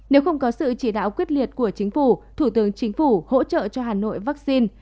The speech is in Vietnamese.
nếu không có sự chỉ đạo quyết liệt của chính phủ thủ tướng chính phủ hỗ trợ cho hà nội vaccine